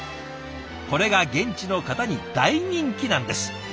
これが現地の方に大人気なんです。